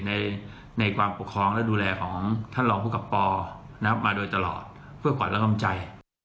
และดูแลของทางรองผู้กำกับปอร์มาโดยตลอดเพื่อกวัดและกล้ามใจ